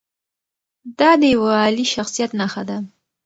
دا د یوه عالي شخصیت نښه ده.